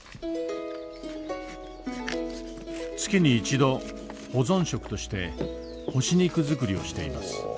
月に一度保存食として干し肉作りをしています。